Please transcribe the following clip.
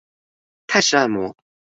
泰式按摩